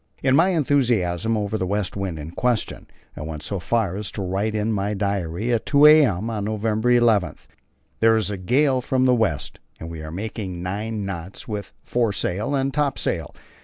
In my enthusiasm over the west wind in question, I went so far as to write in my diary at 2 a.m. on November 11: "There is a gale from the west, and we are making nine knots with foresail and topsail.